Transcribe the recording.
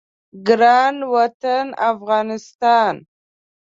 ګران وطن افغانستان